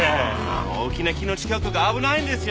大きな木の近くが危ないんですよ。